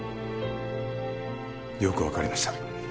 よくわかりました。